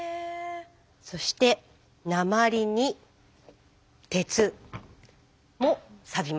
そして鉛に鉄もサビます。